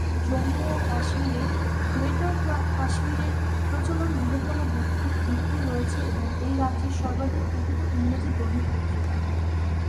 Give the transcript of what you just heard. জম্মু ও কাশ্মীরে "গ্রেটার কাশ্মীরের" প্রচলনের বৃহত্তম ভিত্তি রয়েছে এবং এই রাজ্যের সর্বাধিক পঠিত ইংরেজি দৈনিক পত্রিকা।